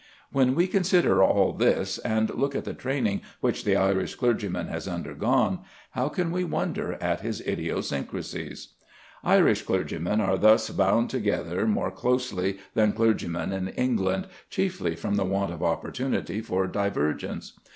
When we consider all this, and look at the training which the Irish clergyman has undergone, how can we wonder at his idiosyncrasies? Irish clergymen are thus bound together more closely than clergymen in England, chiefly from the want of opportunity for divergence.